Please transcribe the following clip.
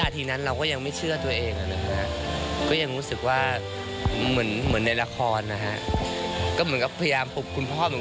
แต่ก็ยังไม่รู้สึกอะไรจะขึ้น